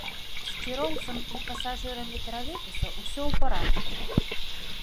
З кіроўцам і пасажырамі тралейбуса ўсё ў парадку.